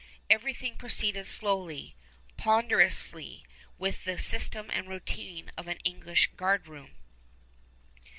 Everything proceeded slowly, ponderously, with the system and routine of an English guardroom.